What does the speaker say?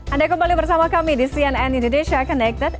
anda kembali bersama kami di cnn indonesia connected